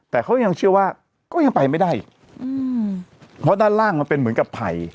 แต่เขายังเชื่อว่าก็ยังไปไม่ได้อีกอืมเพราะด้านล่างมันเป็นเหมือนกับไผ่